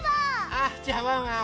あっじゃあワンワン